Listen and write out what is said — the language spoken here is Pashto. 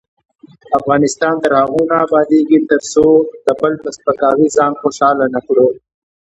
افغانستان تر هغو نه ابادیږي، ترڅو د بل په سپکاوي ځان خوشحاله نکړو.